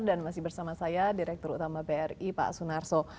dan masih bersama saya direktur utama bri pak asunarso